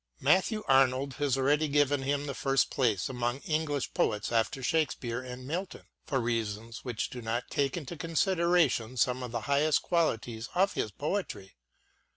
Matthew Arnold has already given him the first place among English poets after Shake speare and Milton, for reasons which do not take into consideration some of the highest qualities of his poetry.